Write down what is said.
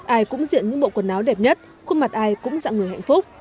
ai cũng diện những bộ quần áo đẹp nhất khuôn mặt ai cũng dạng người hạnh phúc